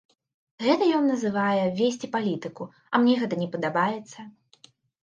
Гэта ён называе весці палітыку, а мне гэта не падабаецца.